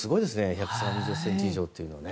１３０ｃｍ以上というのはね。